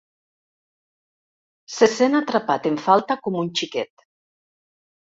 Se sent atrapat en falta, com un xiquet.